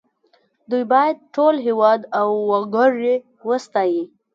دوی باید ټول هېواد او وګړي وستايي